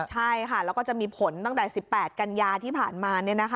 ใช่ค่ะแล้วก็จะมีผลตั้งแต่๑๘กันยาที่ผ่านมา